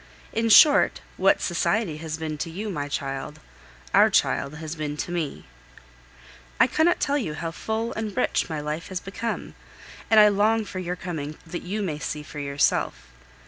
In short, what society has been to you, my child our child has been to me! I cannot tell you how full and rich my life has become, and I long for your coming that you may see for yourself.